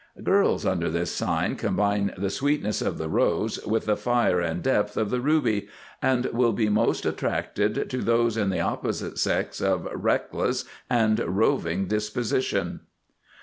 Girls under this sign combine the sweetness of the Rose with the fire and depth of the Ruby, and will be most attracted to those in the opposite sex of Reckless and Roving disposition.